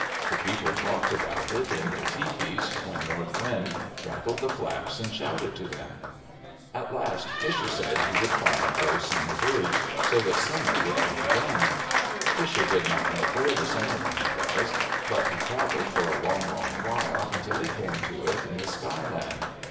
The people talked about it in their tepees when North Wind rattled the flaps and shouted to them. At last Fisher said he would find those Summer Birds so that summer would come again. Fisher did not know where the Summer Land was, but he traveled for a long, long while until he came to it in the Sky Land.